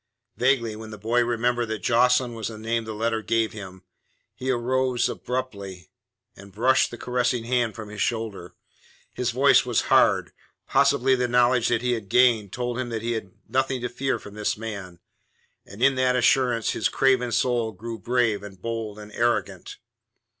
Vaguely then the boy remembered that Jocelyn was the name the letter gave him. He rose abruptly, and brushed the caressing hand from his shoulder. His voice was hard possibly the knowledge that he had gained told him that he had nothing to fear from this man, and in that assurance his craven soul grew brave and bold and arrogant.